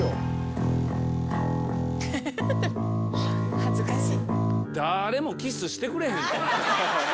恥ずかしい！